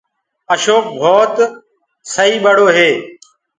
اشوڪ ڀوت سُڪو ٻڙو هي۔